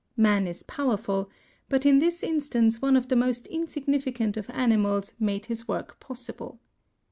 Man is powerful, but in this instance one of the most insignificant of animals made his work possible.